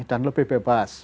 dan lebih bebas